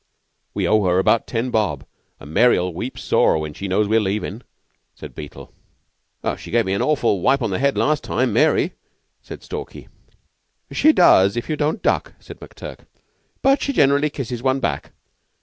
We owe her about ten bob, and Mary'll weep sore when she knows we're leaving," said Beetle. "She gave me an awful wipe on the head last time Mary," said Stalky. "She does if you don't duck," said McTurk. "But she generally kisses one back.